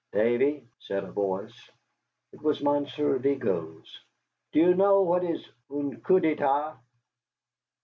"Davee," said a voice (it was Monsieur Vigo's), "do you know what is un coup d'état?"